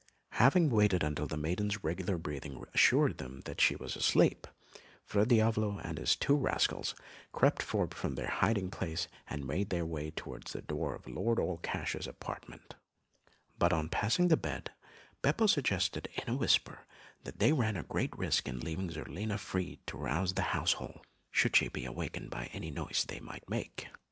Having waited until the maiden's regular breathing assured them that she was asleep, Fra Diavolo and his two rascals crept forth from their hiding place and made their way towards the door of Lord Allcash's apartment; but on passing the bed, Beppo suggested in a whisper that they ran a great risk in leaving Zerlina free to rouse the household, should she be awakened by any noise they might make.